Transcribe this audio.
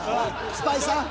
スパイさん！